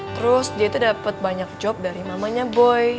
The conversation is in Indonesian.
terus dia itu dapet banyak job dari mamanya boy